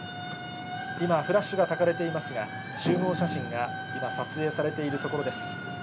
今、フラッシュがたかれていますが、集合写真が今、撮影されているところです。